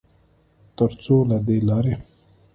ترڅوله دې لارې